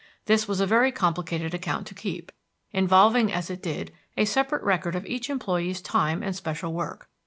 This was a very complicated account to keep, involving as it did a separate record of each employee's time and special work.